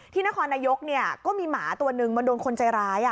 นครนายกก็มีหมาตัวนึงมันโดนคนใจร้าย